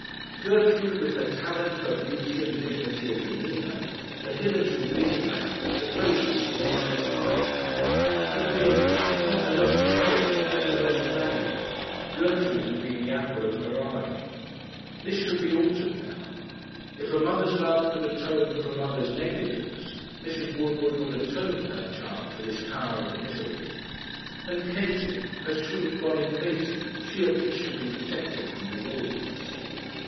Gertrude, with her talent, her beauty, and dignity of demeanour, had hitherto been, perhaps, the closest to the mother's heart had been, if not the most cherished, yet the most valued; Gertrude had been the apple of her eye. This should be altered now. If a mother's love could atone for a mother's negligence, Mrs. Woodward would atone to her child for this hour of misery! And Katie her sweet bonny Katie she, at least, should be protected from the wolves.